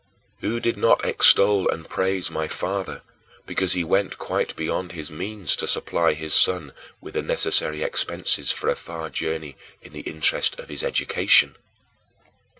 Who did not extol and praise my father, because he went quite beyond his means to supply his son with the necessary expenses for a far journey in the interest of his education?